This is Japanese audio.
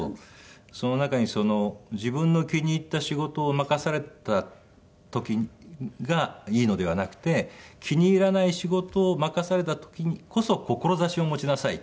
その中に「自分の気に入った仕事を任された時がいいのではなくて気に入らない仕事を任された時こそ志を持ちなさい」。